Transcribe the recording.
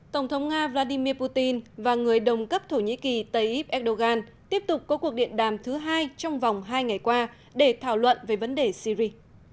tổng thống nga vladimir putin và người đồng cấp thổ nhĩ kỳ tayyip erdogan tiếp tục có cuộc điện đàm thứ hai trong vòng hai ngày qua để thảo luận về vấn đề syri